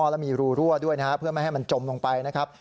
แล้วมีรูรั่วด้วยนะครับเพื่อไม่ให้มันจมลงไปนะครับ